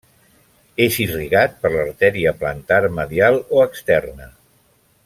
És irrigat per l'artèria plantar medial o externa.